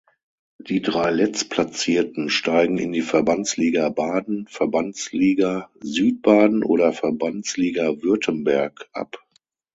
Die drei Letztplatzierten steigen in die Verbandsliga Baden, Verbandsliga Südbaden oder Verbandsliga Württemberg ab.